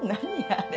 あれ。